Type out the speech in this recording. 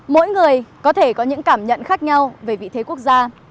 mỗi người có thể có những cảm nhận khác nhau về vị thế quốc gia